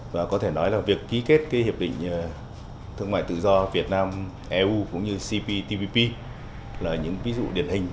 và có thể nói là việc ký kết cái hiệp định thương mại tự do việt nam eu cũng như cptpp là những ví dụ điển hình